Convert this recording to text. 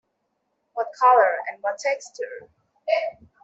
What colour, and what texture!